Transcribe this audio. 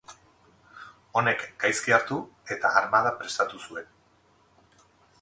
Honek gaizki hartu eta armada prestatu zuen.